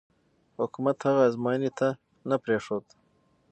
حکومت هغه ازموینې ته نه پرېښود.